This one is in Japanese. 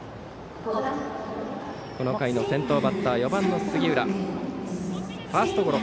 この回の先頭バッター４番の杉浦ファーストゴロ。